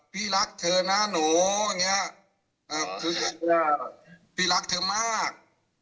พี่รักเธอนะหนูพี่รักเธอมาก